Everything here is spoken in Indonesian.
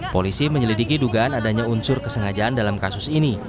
polisi menyelidiki dugaan adanya unsur kesengajaan dalam kasus ini